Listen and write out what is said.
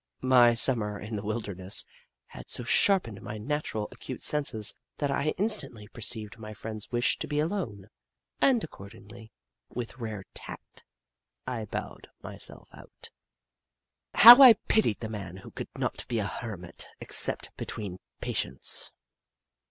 My Sum mer in the wilderness had so sharpened my naturally acute senses, that I instantly perceived my friend's wish to be alone, and accordingly, with rare tact, I bowed myself out. How I pitied the man who could not be a hermit except between patients